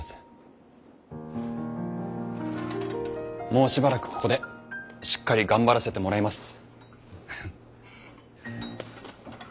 もうしばらくここでしっかり頑張らせてもらいます。